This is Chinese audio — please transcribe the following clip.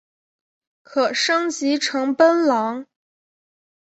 可升级成奔狼。